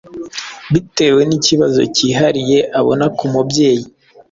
bitewe n’ikibazo cyihariye abona ku mubyeyi